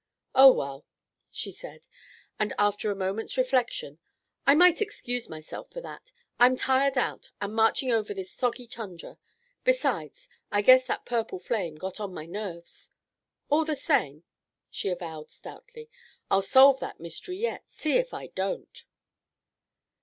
Oh, well," she said, after a moment's reflection, "I might excuse myself for that. I'm tired out with marching over this soggy tundra. Besides, I guess that purple flame got on my nerves. All the same," she avowed stoutly, "I'll solve that mystery yet. See if I don't."